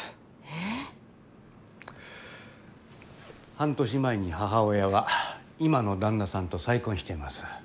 半年前に母親が今の旦那さんと再婚しています。